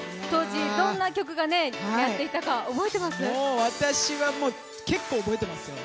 当時、どんな曲がはやっていたか覚えてます？